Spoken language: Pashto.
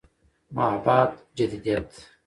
ما بعد جديديت